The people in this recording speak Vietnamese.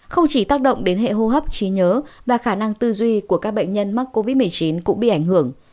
không chỉ tác động đến hệ hô hấp trí nhớ và khả năng tư duy của các bệnh nhân mắc covid một mươi chín cũng bị ảnh hưởng